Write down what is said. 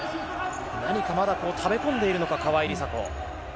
何かまだため込んでるのか、川井梨紗子。